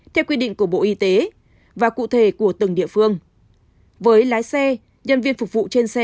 theo quy định của bộ y tế và cụ thể của từng địa phương với lái xe nhân viên phục vụ trên xe